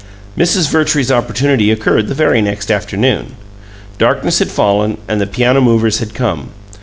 Mrs. Vertrees's opportunity occurred the very next afternoon. Darkness had fallen, and the piano movers had come.